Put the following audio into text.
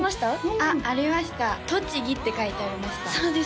あっありました「とちぎ」って書いてありましたそうです